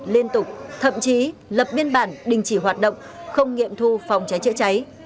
liên tục thậm chí lập biên bản đình chỉ hoạt động không nghiệm thu phòng cháy chữa cháy